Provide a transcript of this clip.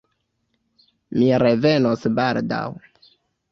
Mi revenos baldaŭ.